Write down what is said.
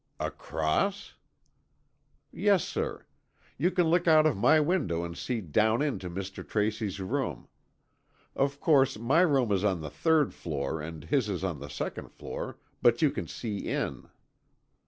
"Across?" "Yes, sir. You can look out of my window and see down into Mr. Tracy's room. Of course, my room is on the third floor and his on the second, but you can see in."